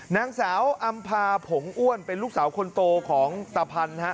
นางสาวอำพาผงอ้วนเป็นลูกสาวคนโตของตาพันธุ์